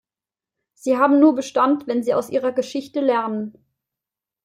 Sie haben nur Bestand, wenn sie aus ihrer Geschichte lernen.